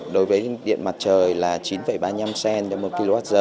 đối với điện mặt trời là chín ba mươi năm cent một kwh